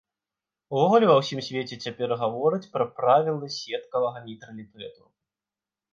Увогуле ва ўсім свеце цяпер гавораць пра правілы сеткавага нейтралітэту.